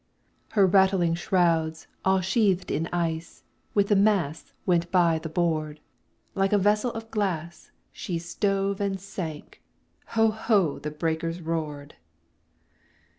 Her rattling shrouds, all sheathed in ice, With the masts went by the board; Like a vessel of glass, she stove and sank, Ho! ho! the breakers roared!